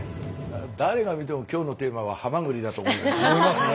誰が見ても今日のテーマはハマグリだと思いますよね。